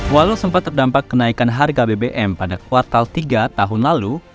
walau sempat terdampak kenaikan harga bbm pada kuartal tiga tahun lalu